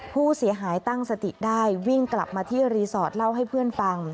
ผู้เสียหายตั้งสติได้วิ่งกลับมาที่รีสอร์ทเล่าให้เพื่อนฟัง